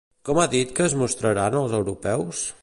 Com ha dit que es mostraran els europeus?